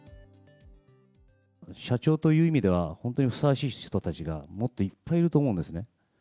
社長という意味では、本当にふさわしい人たちがもっといっぱいいると思うんですね。